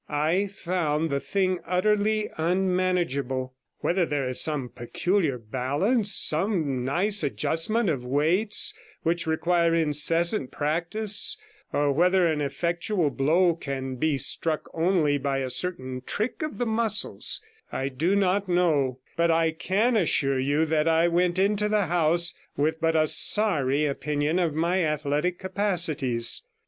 I found the thing utterly unmanageable; whether there is some peculiar balance, some nice adjustment of weights, which require incessant practice, or whether an effectual blow can be struck only by a certain trick of the muscles, I do not know; but I can assure you that I went into the house with but a sorry opinion of my athletic capacities.